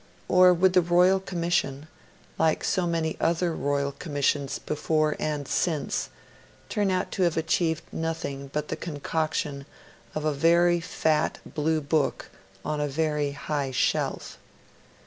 Or would the Royal Commission, like so many other Royal Commissions before and since, turn out to have achieved nothing but the concoction of a very fat bluebook on a very high shelf?